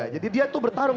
jadi dia tuh bertarung